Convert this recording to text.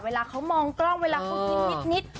เวลาเขามองกล้องเวลาเขากินนิด